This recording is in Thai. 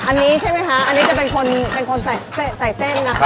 อันนี้ใช่ไหมคะอันนี้จะเป็นคนเป็นคนใส่เส้นนะคะ